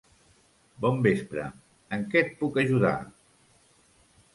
Bon vespre. En què et puc ajudar?